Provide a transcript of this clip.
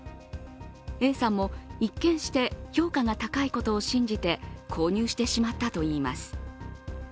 Ａさんも一見して評価が高いことを信じて購入してしまったといいます。